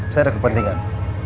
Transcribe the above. saya ada kepentingan